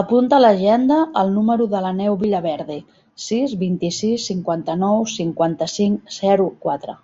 Apunta a l'agenda el número de l'Aneu Villaverde: sis, vint-i-sis, cinquanta-nou, cinquanta-cinc, zero, quatre.